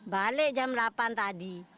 balik jam delapan tadi